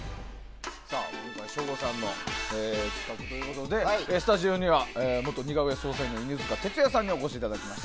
今回、省吾さんの企画ということでスタジオには元似顔絵捜査員の犬塚徹也さんにお越しいただきました。